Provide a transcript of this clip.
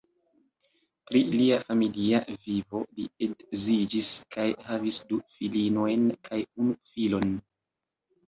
Pri lia familia vivo: li edziĝis kaj havis du filinojn kaj unu filon.